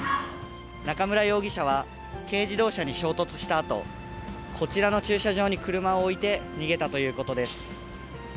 中村容疑者は、軽自動車に衝突したあと、こちらの駐車場に車を置いて、逃げたということです。